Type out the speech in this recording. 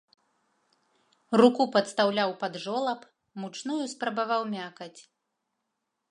Руку падстаўляў пад жолаб, мучную спрабаваў мякаць.